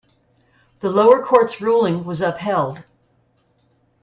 The lower court's ruling was upheld.